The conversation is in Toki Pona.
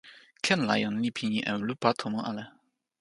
ken la jan li pini e lupa tomo ale.